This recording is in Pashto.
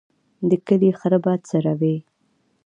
د کلي خره به څروي.